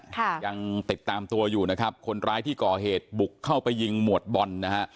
ยังติดตามตัวอยู่นะครับคนร้ายที่ก่อเหตุบุกเข้าไปยิงหมวดบอลนะฮะ